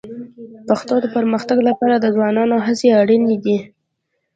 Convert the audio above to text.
پښتو پرمختګ لپاره د ځوانانو هڅې اړیني دي